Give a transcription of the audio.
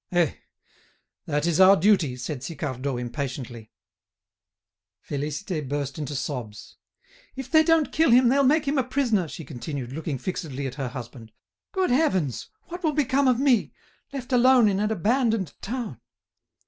"Eh! that is our duty," said Sicardot, impatiently. Félicité burst into sobs. "If they don't kill him, they'll make him a prisoner," she continued, looked fixedly at her husband. "Good heavens! What will become of me, left alone in an abandoned town?"